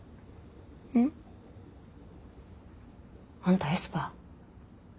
ん？あんたエスパー？